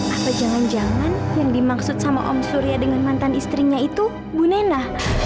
apa jangan jangan yang dimaksud sama om surya dengan mantan istrinya itu bu nena